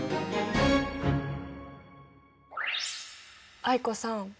藍子さん